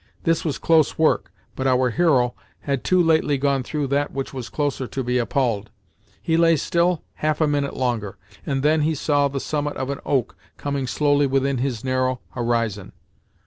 This was close work, but our hero had too lately gone through that which was closer to be appalled. He lay still half a minute longer, and then he saw the summit of an oak coming slowly within his narrow horizon.